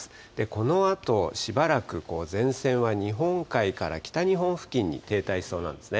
このあとしばらく、前線は日本海から北日本付近に停滞しそうなんですね。